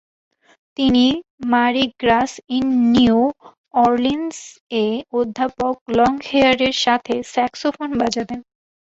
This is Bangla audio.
তিনি "মারি গ্রাস ইন নিউ অরলিন্স"য়ে অধ্যাপক লংহেয়ারের সাথে স্যাক্সোফোন বাজাতেন।